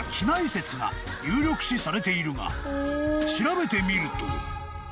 ［有力視されているが調べてみると］